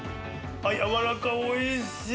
やわらかおいしい！